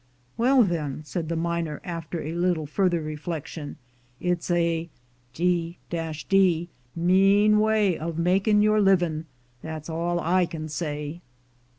"Well, then," said the miner after a little further reflection, "it's a d — d mean way of making your living, that's all I can say."